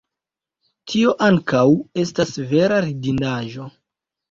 Tio ankaŭ estas vera ridindaĵo.